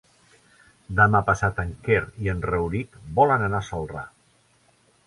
Demà passat en Quer i en Rauric volen anar a Celrà.